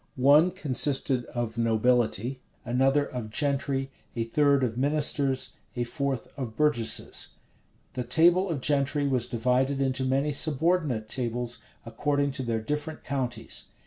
One consisted of nobility, another of gentry, a third of ministers, a fourth of burgesses. The table of gentry was divided into many subordinate tables, according to their different counties.